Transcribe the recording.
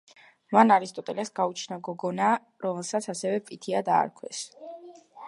მან არისტოტელეს გაუჩინა გოგონა, რომელსაც ასევე პითია დაარქვეს.